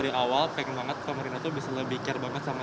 dari awal pengen banget pemerintah tuh bisa lebih care banget sama